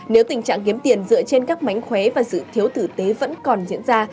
nếu tình trạng kiếm tiền dựa trên các mánh khóe và sự thiếu tử tế vẫn còn diễn ra